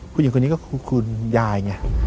ผู้หญิงคนนี้ก็คือคุณยายไง